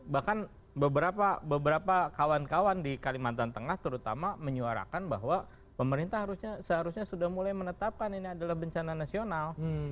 bahkan beberapa kawan kawan di kalimantan tengah terutama menyuarakan bahwa pemerintah seharusnya sudah mulai menetapkan ini adalah bencana nasional